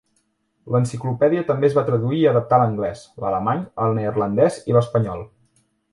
L'enciclopèdia també es va traduir i adaptar a l'anglès, l'alemany, el neerlandès i l'espanyol.